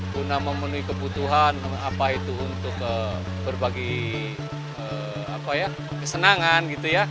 guna memenuhi kebutuhan apa itu untuk berbagi kesenangan gitu ya